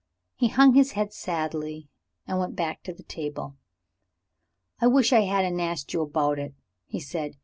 He hung his head sadly, and went back to the table. "I wish I hadn't asked you about it," he said.